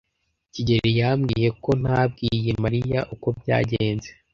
kigeli yambwiye ko ntabwiye Mariya uko byagenze.